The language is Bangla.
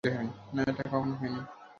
না, এটা কখনোই হয়নি।